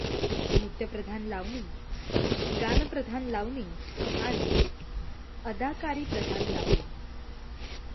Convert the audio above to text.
नृत्यप्रधान लावणी, गानप्रधान लावणी आणि अदाकारीप्रधान लावणी.